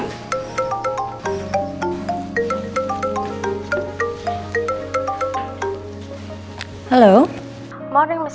tidak ada yang bawa